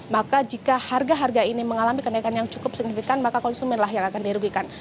maka jika harga harga ini mengalami kenaikan yang cukup signifikan maka konsumen lah yang akan dirugikan